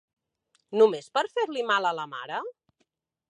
Només per fer-li mal a la mare?